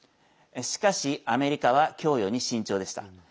しかしアメリカは供与に慎重でした。